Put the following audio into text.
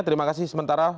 terima kasih sementara